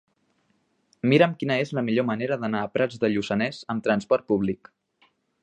Mira'm quina és la millor manera d'anar a Prats de Lluçanès amb trasport públic.